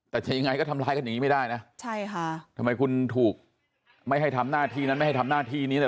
แต่จะยังไงก็ทำร้ายกันอย่างนี้ไม่ได้นะใช่ค่ะทำไมคุณถูกไม่ให้ทำหน้าที่นั้นไม่ให้ทำหน้าที่นี้เลย